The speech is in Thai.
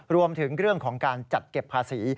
รวมถึงเรื่องของการจัดเก็บภาษี